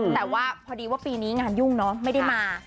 แต่ว่าพอดีว่าปีนี้งานยุ่งเนอะไม่ได้มา